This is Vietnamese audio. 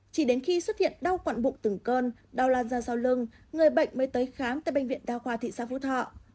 chỉ đến khi xuất hiện đau quặn bụng từng cơn đau lan ra sau lưng người bệnh mới tới khám tại bệnh viện đao khoa thị xã phú thọ